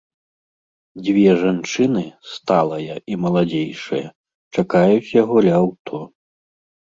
Дзве жанчыны, сталая і маладзейшая, чакаюць яго ля аўто.